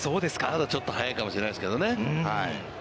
まだ、ちょっと早いかもしれないですけどね。